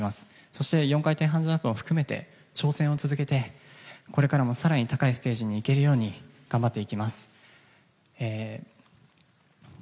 そして４回転半ジャンプも含めて挑戦を続けてこれからも更に高いステージに行けるように頑張っていきます。